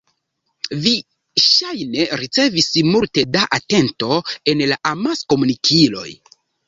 Vi ŝajne ricevis multe da atento en la amaskomunikiloj.